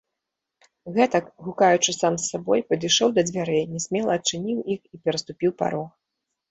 Гэтак, гукаючы сам з сабой, падышоў да дзвярэй, нясмела адчыніў іх і пераступіў парог.